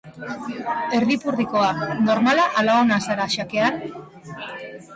Erdipurdikoa, normala ala ona zara xakean?